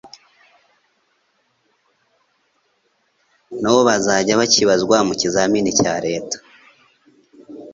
nabo bazajya bakibazwa mu kizamini cya leta